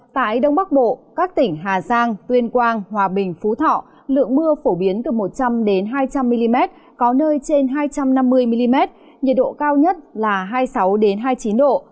tại đông bắc bộ các tỉnh hà giang tuyên quang hòa bình phú thọ lượng mưa phổ biến từ một trăm linh hai trăm linh mm có nơi trên hai trăm năm mươi mm nhiệt độ cao nhất là hai mươi sáu hai mươi chín độ